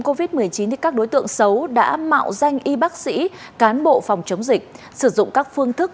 covid một mươi chín các đối tượng xấu đã mạo danh y bác sĩ cán bộ phòng chống dịch sử dụng các phương thức